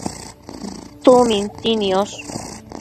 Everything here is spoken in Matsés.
tsumintsi niosh